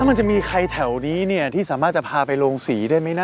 มันจะมีใครแถวนี้เนี่ยที่สามารถจะพาไปโรงสีได้ไหมนะ